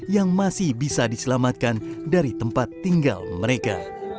yang masih bisa diselamatkan dari tempat tinggal mereka